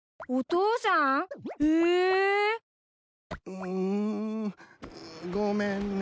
うごめんね。